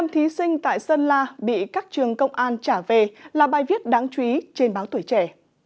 một mươi thí sinh tại sơn la bị các trường công an trả về là bài viết đáng chú ý trên báo tuổi trẻ